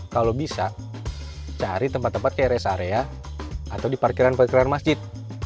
kalau bisa cari tempat tempat kayak rest area atau di parkiran parkiran masjid